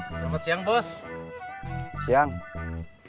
selamat siang bos